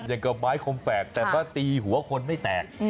อย่างกับไม้คมแฝกแต่มาตีหัวคนไม่แตก